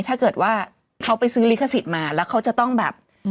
ถ้าเกิดว่าเขาไปซื้อลิขสิทธิ์มาแล้วเขาจะต้องแบบ